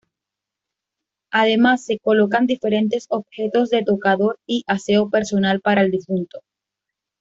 Además se colocan diferentes objetos de tocador y aseo personal para el difunto.